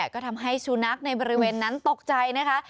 ก็ทำให้สุนัขในบริเวณนั้นตกใจนะคะ